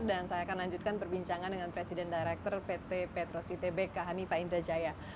dan saya akan lanjutkan perbincangan dengan presiden direktur pt petrosi tpk hanifah indrajaya